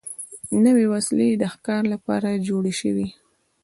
نوې وسلې د ښکار لپاره جوړې شوې.